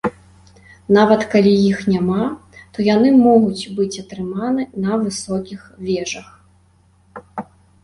Нават калі іх няма, то яны могуць быць атрыманы на высокіх вежах.